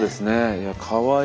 いやかわいい。